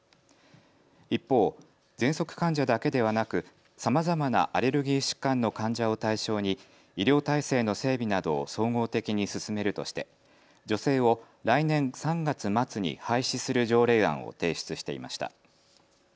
一方、ぜんそく患者だけではなくさまざまなアレルギー疾患の患者を対象に医療体制の整備などを総合的に進めるとして助成を来年３月末に廃止する条例案を提出していました。